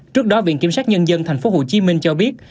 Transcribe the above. trước đó viện kiểm sát nhân dân tp hcm cho biết